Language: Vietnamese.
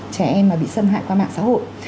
trẻ em mà bị xâm hại qua mạng xã hội